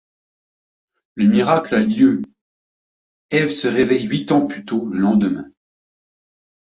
Le miracle a lieu, Eve se réveille huit ans plus tôt le lendemain...